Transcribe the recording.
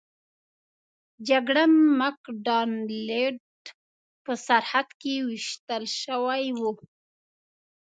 جګړن مک ډانلډ په سرحد کې ویشتل شوی و.